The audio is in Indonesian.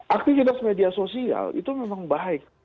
aktivitas media sosial itu memang baik